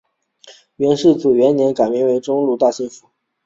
元世祖至元元年改为中都路大兴府。